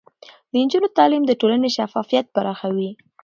د نجونو تعليم د ټولنې شفافيت پراخوي.